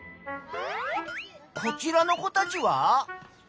こちらの子たちは？